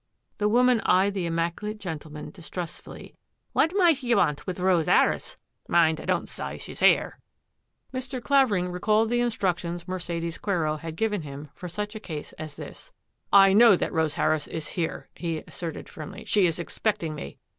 The woman eyed the immaculate gentleman dis trustfully. " What might ye want with Rose 'Arris ? Mind, I don't sy she's 'ere." «16 THAT AFFAIR AT THE MANOR Mr. Clavering recalled the instructions Mercedes Quero had given him for such a case as this. " I know that Rose Harris is here," he asserted firmly. " She is expecting me."